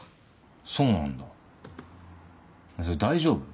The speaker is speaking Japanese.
そうなんだそれ大丈夫？